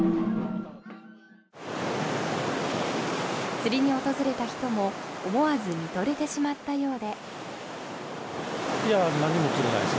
釣りに訪れた人も、思わず見とれてしまったようで。